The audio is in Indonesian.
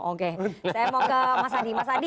oke saya mau ke mas adi